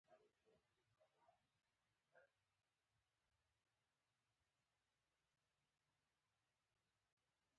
د مراجعینو لپاره په بانک کې د څښاک پاکې اوبه شته.